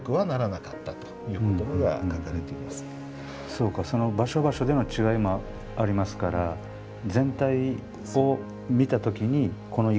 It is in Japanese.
そうかその場所場所での違いもありますから全体を見た時にこの言い方のほうが。